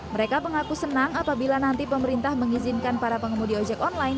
mereka mengaku senang apabila nanti pemerintah mengizinkan para pengemudi ojek online